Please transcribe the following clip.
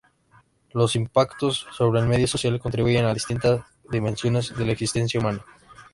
Los impactos sobre el medio social contribuyen a distintas dimensiones de la existencia humana.